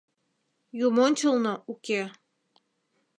— Юмончылно уке.